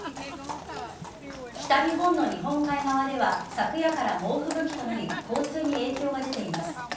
北日本の日本海側では昨夜から猛吹雪となり交通に影響が出ています。